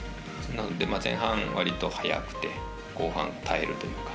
なので前半、割と速くて後半、耐えるというか。